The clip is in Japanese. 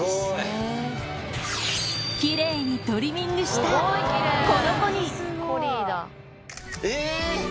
きれいにトリミングした、えー！